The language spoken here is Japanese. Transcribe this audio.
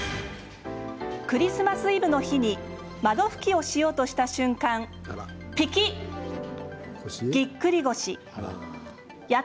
クリスマスイブの日に窓拭きをしようとした瞬間ぴきっ。